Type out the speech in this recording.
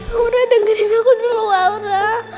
aura dengerin aku dulu aura